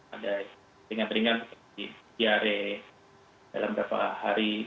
ada ringan ringan seperti diare dalam beberapa hari